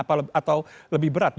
atau lebih berat